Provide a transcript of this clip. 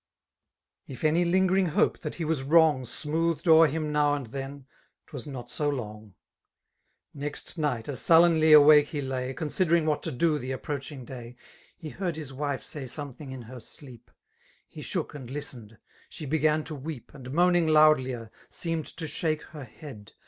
k ^ 91 If any lingering hoi^ that he was "Wlong, Smoothed o'er him now and then; 'twas not »o long. Next nighty as sullenly awake he lay^ Considering what to do the approaching day^ He' heard his wife say something in her deep ;— He shook and listened 5«^dhe began to weep> And moaning loudlier^ seemed to shake 6er head.